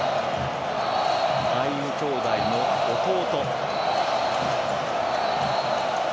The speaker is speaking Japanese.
アイウ兄弟の弟。